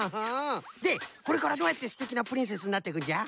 でこれからどうやってすてきなプリンセスになってくんじゃ？